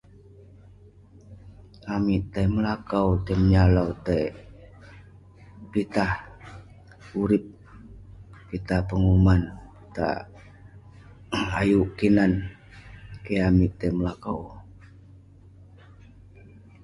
Amik tai melakau tai menyalau tai pitah urip, pitah penguman, pitah ayuk kinan. Keh amik tai melakau.